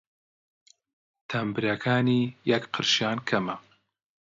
تەمبرەکانی یەک قرشیان کەمە!